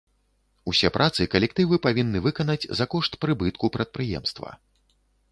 Усе працы калектывы павінны выканаць за кошт прыбытку прадпрыемства.